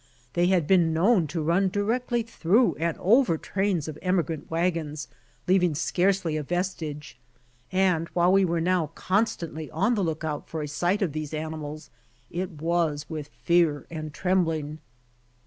They had been known to run directly through and over trains of emigrant wagons leaving scarcely a vestige, and while we were now^ con stantly on the lookout for a sight of these animals, it was with fear and trembling.